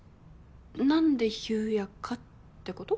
何で裕也かってこと？